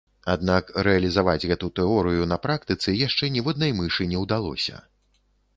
Аднак рэалізаваць гэту тэорыю на практыцы яшчэ ніводнай мышы не ўдалося.